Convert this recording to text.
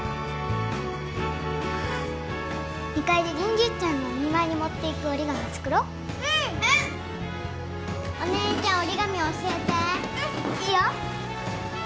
２階で銀じいちゃんのお見舞いに持っていく折り紙作ろううんうんおねえちゃん折り紙教えてうんいいよ